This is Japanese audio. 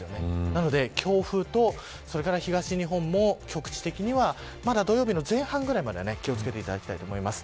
なので強風と東日本も局地的にはまだ土曜日の前半ぐらいまでは気を付けていただきたいと思います。